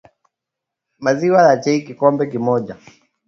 maziwa ya chai kikombe kimoja